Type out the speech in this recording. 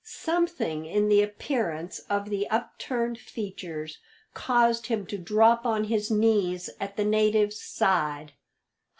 Something in the appearance of the upturned features caused him to drop on his knees at the natives side.